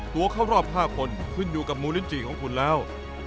เข้ารอบ๕คนขึ้นอยู่กับมูลินจิของคุณแล้ว